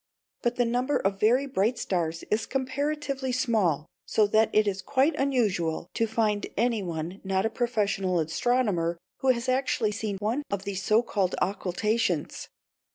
But the number of very bright stars is comparatively small, so that it is quite unusual to find anyone not a professional astronomer who has actually seen one of these so called "occultations."